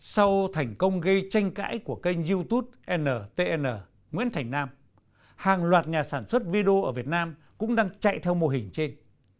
sau thành công gây tranh cãi của kênh youtube ntn nguyễn thành nam hàng loạt nhà sản xuất video ở việt nam cũng đang chạy theo mô hình trên